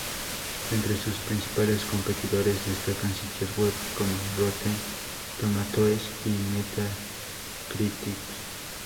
Entre sus principales competidores destacan sitios web como Rotten Tomatoes y Metacritic.